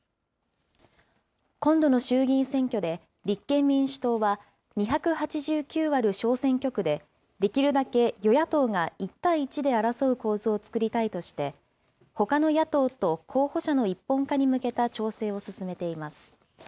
今度の衆議院選挙で、立憲民主党は、２８９ある小選挙区で、できるだけ与野党が１対１で争う構図を作りたいとして、ほかの野党と候補者の一本化に向けた調整を進めています。